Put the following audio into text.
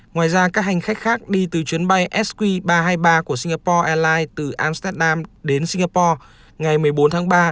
ngoài ra các hành khách khác đi từ chuyến bay sq ba trăm hai mươi ba của singapore airlines từ amsterdam đến singapore ngày một mươi bốn tháng ba